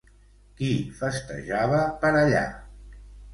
Qui festejava per allà?